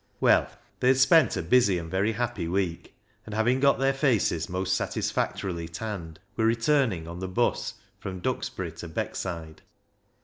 Well, they had spent a busy and very happy week, and, having got their faces most satis factorily tanned, were returning on the 'bus from Duxbury to Beckside.